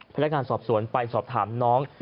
พนักงานสอบสวนไปสอบถามน้อง